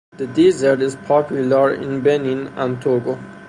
The dessert is popular in Benin and Togo.